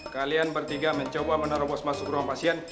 kalian bertiga mencoba menerobos masuk ruang pasien